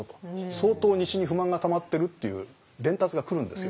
相当西に不満がたまってるっていう伝達が来るんですよ。